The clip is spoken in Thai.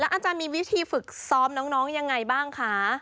อาจารย์มีวิธีฝึกซ้อมน้องยังไงบ้างคะ